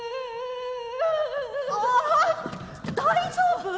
ああ大丈夫？